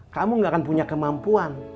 kamu gak akan punya kemampuan